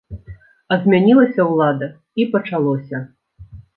А змянілася ўлада і пачалося!